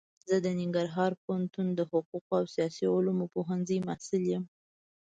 زه د ننګرهار پوهنتون د حقوقو او سیاسي علومو پوهنځي محصل يم.